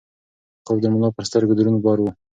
خوب د ملا پر سترګو دروند بار و.